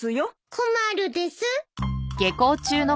困るです。